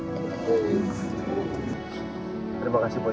terima kasih buat